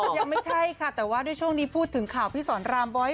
ยังไม่ใช่ค่ะแต่ว่าด้วยช่วงนี้พูดถึงข่าวพี่สอนรามบ๊อย